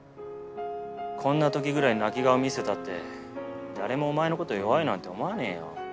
こんな時ぐらい泣き顔見せたって誰もお前の事弱いなんて思わねえよ。